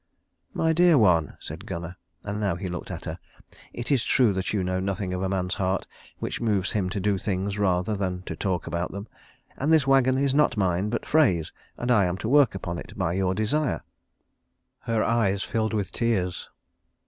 "My dear one," said Gunnar and now he looked at her "it is true that you know nothing of a man's heart, which moves him to do things rather than to talk about them. And this wagon is not mine, but Frey's, and I am to work upon it by your desire." Her eyes filled with tears.